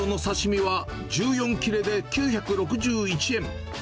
マグロの刺身は１４切れで９６１円。